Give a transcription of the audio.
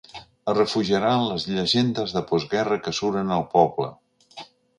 Es refugiarà en les llegendes de postguerra que suren al poble.